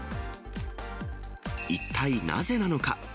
一体なぜなのか。